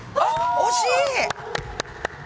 惜しい！